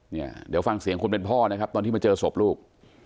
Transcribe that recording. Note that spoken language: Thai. เนี่ยเดี๋ยวฟังเสียงคนเป็นพ่อนะครับตอนที่มาเจอศพลูก